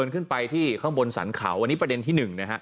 การหนี